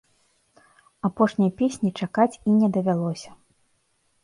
Апошняй песні чакаць і не давялося.